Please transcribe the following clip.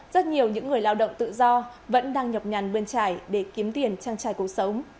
rất nhiều những người lao động tự do vẫn đang nhọc nhằn bên trái để kiếm tiền trang trải cuộc sống